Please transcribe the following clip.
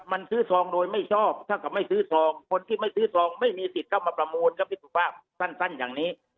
มันซื้อซองโดยไม่ชอบเท่ากับไม่ซื้อซองคนที่ไม่ซื้อซองไม่มีสิทธิ์เข้ามาประมูลครับพี่สุภาพสั้นอย่างนี้